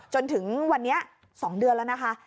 จนถึงวันนี้๒เดือนแล้วนะคะ